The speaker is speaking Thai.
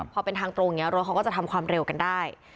พอเป็นทางตรงนี้รถเขาก็จะทำความเร็วกันได้